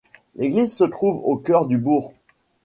L'église se trouve au cœur du bourg.